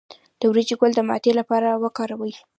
د وریجو ګل د معدې لپاره وکاروئ